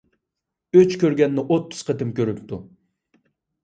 ئۆچ كۆرگەننى ئوتتۇز قېتىم كۆرۈپتۇ.